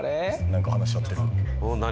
なんか話し合ってる何？